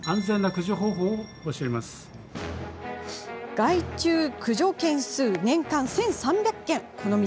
害虫駆除件数、年間１３００件この道